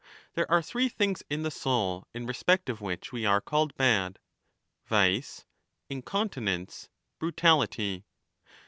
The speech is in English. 5 There are three things in the soul in respect of which we are called bad — vice, incontinence, brutality.